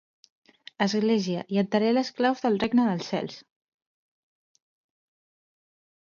Església, i et daré les claus del Regne dels Cels”.